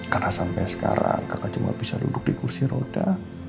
karena sampai sekarang kakak cuma bisa duduk di kursi roda